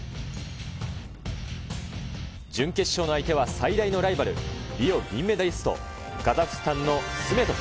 準決勝の相手は、最大のライバル、リオ銀メダリスト、カザフスタンのスメトフ。